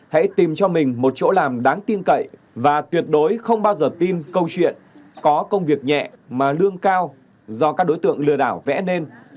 hãy tìm cho mình một chỗ làm đáng tin cậy và tuyệt đối không bao giờ tin câu chuyện có công việc nhẹ mà lương cao do các đối tượng lừa đảo vẽ nên